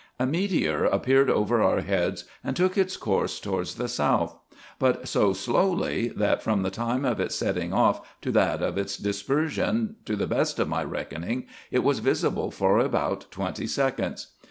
A meteor appeared over our heads, and took its course towards the south ; but so slowly, that, from the time of its setting off to that of its dispersion, to the best of my reckoning, it was visible for about twenty seconds.